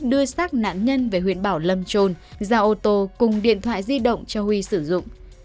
đưa xác nạn nhân về huyện bảo lâm trồn ra ô tô cùng điện thoại di động cho huy sử dụng